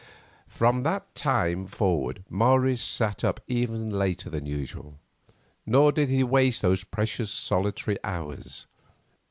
From that time forward Morris sat up even later than usual, nor did he waste those precious solitary hours.